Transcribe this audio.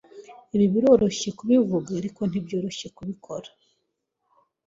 Ibyo biroroshye kubivuga, ariko ntibyoroshye kubikora.